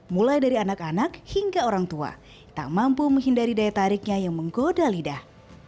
mulai dari anak anak hingga orang tua tak mampu menghindari daya tariknya yang menggoda lidah